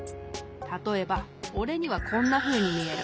たとえばおれにはこんなふうにみえる。